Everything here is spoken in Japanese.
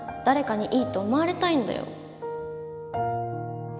誰かにいいと思われたいんだよ。